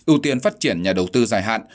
ưu tiên phát triển nhà đầu tư dài hạn